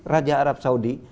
raja arab saudi